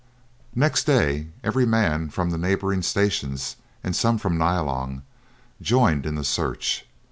Next day every man from the neighbouring stations, and some from Nyalong, joined in the search.